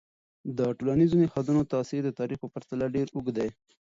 د ټولنیزو نهادونو تاثیر د تاریخ په پرتله ډیر اوږد دی.